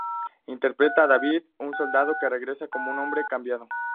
Interpreta a David, un soldado que regresa como un hombre cambiado.